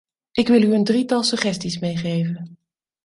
Ik wil u een drietal suggesties meegeven.